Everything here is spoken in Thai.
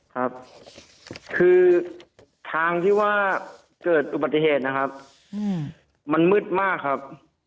ครับคือทางที่ว่าเกิดอุบัติเหตุนะครับมันมืดมากครับ